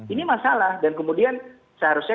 ini masalah dan kemudian seharusnya